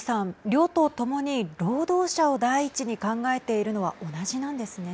両党ともに労働者を第一に考えているのは同じなんですね。